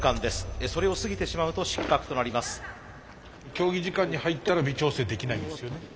競技時間に入ったら微調整できないんですよね？